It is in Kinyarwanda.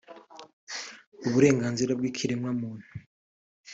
uburenganzira bw’ikiremwamuntu